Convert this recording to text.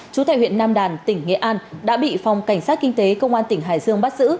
chú tại huyện nam đàn tỉnh nghệ an đã bị phòng cảnh sát kinh tế công an tỉnh hải dương bắt giữ